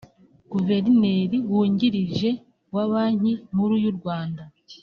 Guverineri wungirije wa Banki Nkuru y’u Rwanda